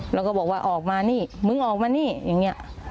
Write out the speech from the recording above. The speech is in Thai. แล้วก็บอกว่าออกมานี่มึงออกมานี่อย่างนี้